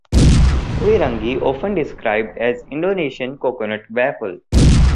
Kue rangi often described as Indonesian coconut waffle.